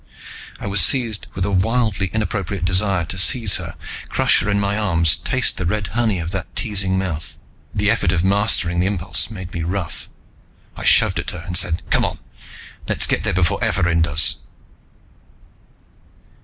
I was seized with a wildly inappropriate desire to seize her, crush her in my arms, taste the red honey of that teasing mouth. The effort of mastering the impulse made me rough. I shoved at her and said, "Come on. Let's get there before Evarin does."